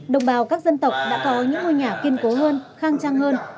đồng bào các dân tộc đã có những ngôi nhà kiên cố hơn khang trang hơn